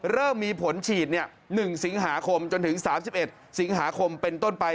เริ่มมีผลฉีด๑สิงหาคมจนถึง๓๑สิงหาคมเป็นต้นไป